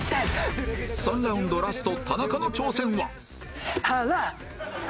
３ラウンドラスト田中の挑戦はハラ！